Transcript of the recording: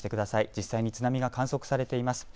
実際に津波が観測されています。